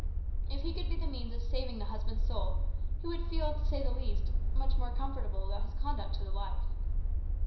If he could be the means of saving the husband's soul, he would feel, to say the least, much more comfortable about his conduct to the wife.